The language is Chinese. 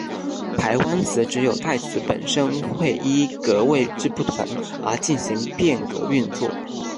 排湾语只有代词本身会依格位之不同而进行变格运作。